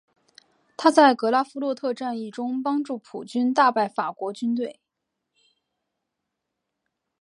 他在格拉夫洛特战役中帮助普军大败法国军队。